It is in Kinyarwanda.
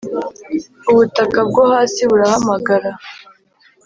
ubutaka bwo hasi burahamagara